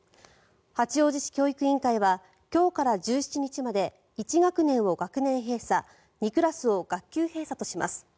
八王子市教育委員会は今日から１７日まで１学年を学年閉鎖２クラスを学級閉鎖とします。